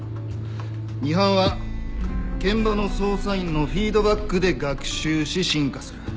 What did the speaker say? ミハンは現場の捜査員のフィードバックで学習し進化する。